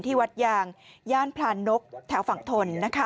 ที่วัดยางย่านพลานนกแถวฝั่งทน